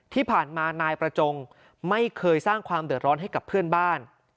ที่ผ่านมานายประจงไม่เคยสร้างความเดือดร้อนให้กับเพื่อนบ้าน